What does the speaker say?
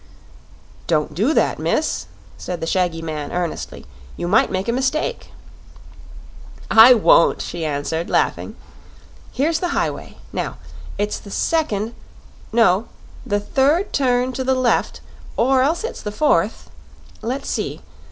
"Don't do that, miss," said the shaggy man earnestly; "you might make a mistake." "I won't," she answered, laughing. "Here's the highway. Now it's the second no, the third turn to the left or else it's the fourth. Let's see.